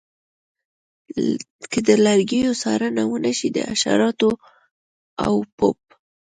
که د لرګیو څارنه ونشي د حشراتو او پوپ